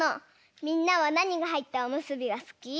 みんなはなにがはいったおむすびがすき？